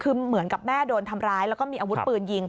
คือเหมือนกับแม่โดนทำร้ายแล้วก็มีอาวุธปืนยิง